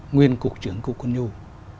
nguyên cục trưởng cục quân nhung